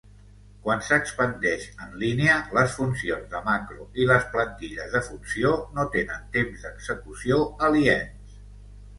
Quan s'expandeix en línia, les funcions de macro i les plantilles de funció no tenen temps d'execució aliens.